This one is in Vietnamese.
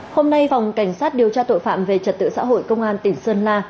hôm nay phòng cảnh sát điều tra tội phạm về trật tự xã hội công an tỉnh sơn la